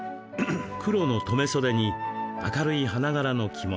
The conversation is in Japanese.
黒の留め袖に明るい花柄の着物。